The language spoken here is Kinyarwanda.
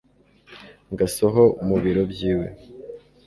ngasoho mubiro byiwe